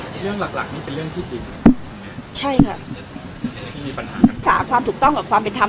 เรื่องหลักหลักนี่เป็นเรื่องที่จริงไหมใช่ค่ะที่มีปัญหารักษาความถูกต้องกับความเป็นธรรม